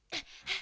あ。